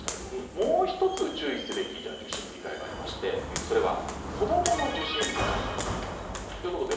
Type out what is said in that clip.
もう１つ注意すべき受診控えがありましてそれは子どもの受診控えです。